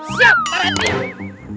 siap para anti buring